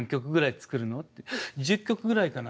「１０曲ぐらいかな」